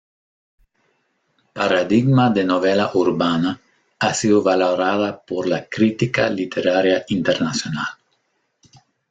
Paradigma de novela urbana, ha sido valorada por la crítica literaria internacional.